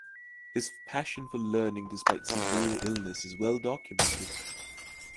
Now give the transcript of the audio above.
His passion for learning despite severe illness is well documented.